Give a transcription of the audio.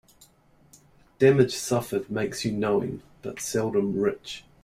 Damage suffered makes you knowing, but seldom rich.